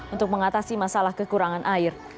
untuk mengatasi masalah kekurangan air